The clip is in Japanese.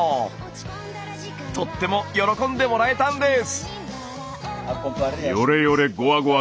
とっても喜んでもらえたんです！